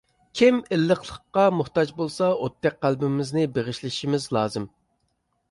كىم ئىللىقلىققا موھتاج بولسا، ئوتتەك قەلبىمىزنى بېغىشلىشىمىز لازىم.